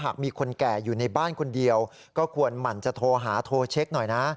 มีคนแก่อยู่ในบ้านคนเดียวก็ควรหมั่นจะโทรหาโทรเช็คหน่อยนะ